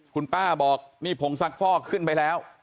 คุณป้าบอกนี่ผงซักฟอกขึ้นไปแล้ว